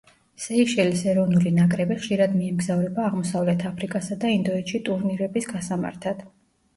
სეიშელის ეროვნული ნაკრები ხშირად მიემგზავრება აღმოსავლეთ აფრიკასა და ინდოეთში ტურნირების გასამართად.